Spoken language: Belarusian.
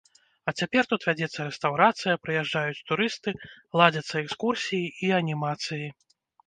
А цяпер тут вядзецца рэстаўрацыя, прыязджаюць турысты, ладзяцца экскурсіі і анімацыі.